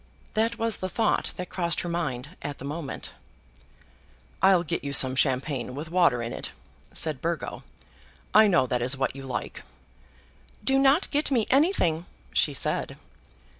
That was the thought that crossed her mind at the moment. "I'll get you some champagne with water in it," said Burgo. "I know that is what you like." "Do not get me anything," she said.